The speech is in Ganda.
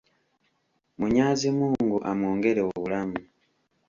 Munyaazimungu amwongere obulamu.